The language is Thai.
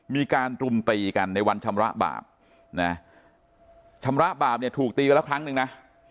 มีการรุมตีกันในวันชำระบาปนะชำระบาปเนี่ยถูกตีไปแล้วครั้งนึงนะ